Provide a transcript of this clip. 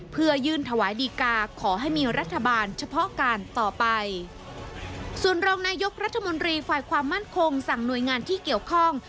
เพื่อยื่นถวายดีกาขอให้มีรัฐบาลเฉพาะการต่อไปส่วนรองนายกรัฐมนตรีฝ่ายความมั่นคงสั่งหน่วยงานที่เกี่ยวข้อง